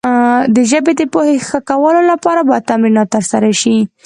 د ژبې د پوهې ښه کولو لپاره باید تمرینات ترسره شي.